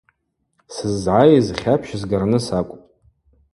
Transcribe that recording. Сыззгӏайыз хьапщ згарныс акӏвпӏ.